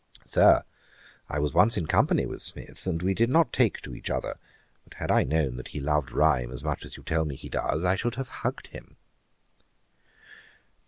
'Sir, I was once in company with Smith, and we did not take to each other; but had I known that he loved rhyme as much as you tell me he does, I should have HUGGED him.'